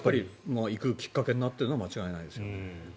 行くきっかけになってるのは間違いないですね。